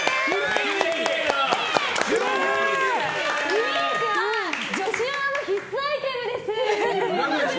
ウィンクは女子アナの必須アイテムです！